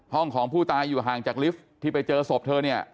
ของผู้ตายอยู่ห่างจากลิฟท์ที่ไปเจอศพเธอเนี่ย